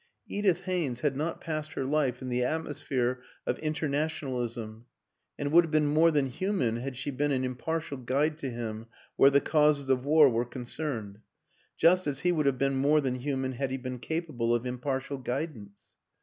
Edith Haynes had not passed her life in the atmosphere of Internationalism, and would have been more than human had she been an im partial guide to him where the causes of war were concerned just as he would have been more than human had he been capable of impartial guidance.